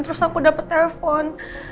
terus aku dapet telpon